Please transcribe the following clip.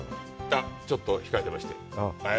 あっ、ちょっと控えてまして。